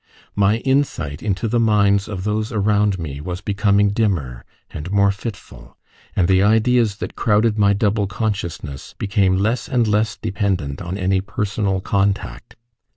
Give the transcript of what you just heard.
My insight into the minds of those around me was becoming dimmer and more fitful, and the ideas that crowded my double consciousness became less and less dependent on any personal contact.